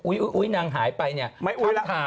อุ๊ยหนังหายไปเนี่ย